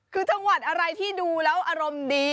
คือจังหวัดอะไรที่ดูแล้วอารมณ์ดี